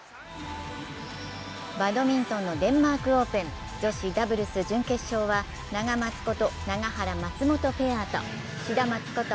バドミントンのデンマークオープン、女子ダブルス準決勝はナガマツこと永原・松本ペアとシダマツこと